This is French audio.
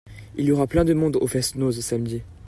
Il y aura plein de monde au fest-noz samedi.